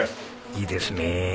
いいですねえ。